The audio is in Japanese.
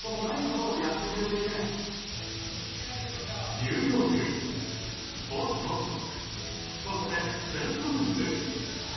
ニューヨーク、ボストンそして、セントルイス。